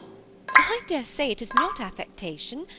" I dare say it is not affectation.